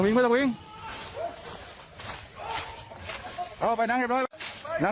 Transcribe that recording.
เมื่อรอแล้วเข้าไปดูภาพกัน